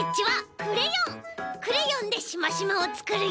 クレヨンでシマシマをつくるよ！